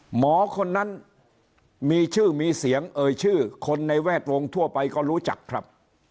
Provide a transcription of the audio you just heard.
หมอคนนั้นมีชื่อมีเสียงเอ่ยชื่อคนในแวดวงทั่วไปก็รู้จักครับ